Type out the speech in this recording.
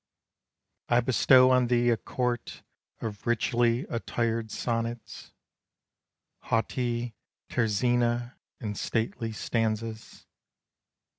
I bestow on thee a court Of richly attired sonnets, Haughty Terzine and stately stanzas.